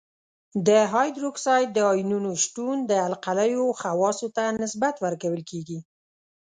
د هایدروکساید د آیونونو شتون د القلیو خواصو ته نسبت ورکول کیږي.